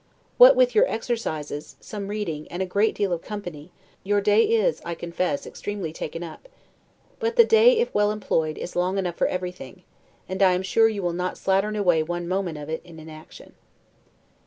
What with your exercises, some reading, and a great deal of company, your day is, I confess, extremely taken up; but the day, if well employed, is long enough for everything; and I am sure you will not slattern away one moment of it in inaction.